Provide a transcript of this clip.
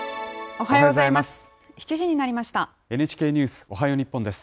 おはようございます。